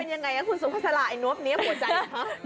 อาจารย์มันเป็นยังไงคุณสุภาษาละไอ้นวบเนี๊ยบหัวใจ